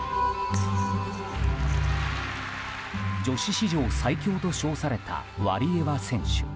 女子史上最強と称されたワリエワ選手。